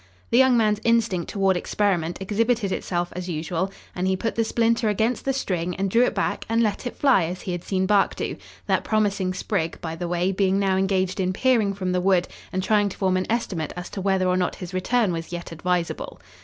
The young man's instinct toward experiment exhibited itself as usual and he put the splinter against the string and drew it back and let it fly as he had seen Bark do that promising sprig, by the way, being now engaged in peering from the wood and trying to form an estimate as to whether or not his return was yet advisable.